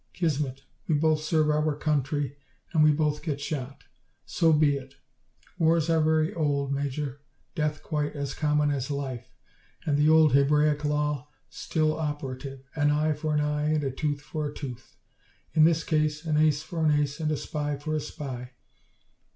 Kismet! We both serve our country, and we both get shot. So be it. Wars are very old, Major; death quite as common as life; and the old Hebraic law still operative 'an eye for an eye and a tooth for a tooth!' In this case, an ace for an ace and a spy for a spy.